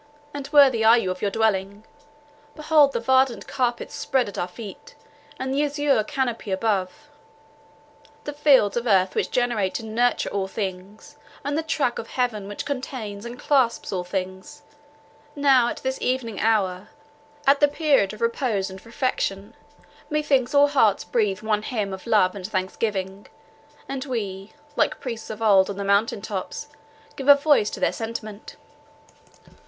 and worthy are you of your dwelling! Behold the verdant carpet spread at our feet, and the azure canopy above; the fields of earth which generate and nurture all things, and the track of heaven, which contains and clasps all things. Now, at this evening hour, at the period of repose and refection, methinks all hearts breathe one hymn of love and thanksgiving, and we, like priests of old on the mountain tops, give a voice to their sentiment.